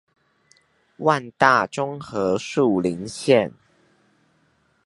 萬大中和樹林線